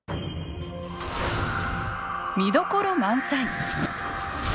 見どころ満載。